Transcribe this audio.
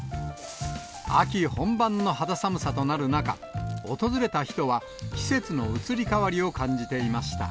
秋本番の肌寒さとなる中、訪れた人は季節の移り変わりを感じていました。